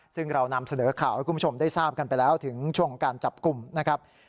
ซึ่งเรานำเสนอข่าวให้คุณผู้ชมได้ทราบกันไปแล้วถึงช่วงของการจับกลุ่มนะครับ